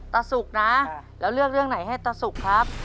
สุกนะแล้วเลือกเรื่องไหนให้ตาสุกครับ